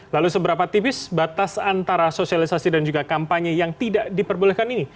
lalu seberapa tipis batas antara sosialisasi dan juga kampanye yang tidak diperbolehkan ini